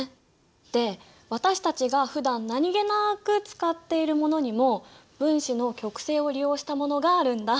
で私たちがふだん何気なく使っているものにも分子の極性を利用したものがあるんだ。